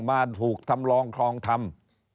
มาถูกทำลองครองทำ